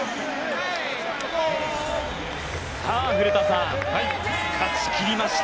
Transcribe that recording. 古田さん、勝ち切りました。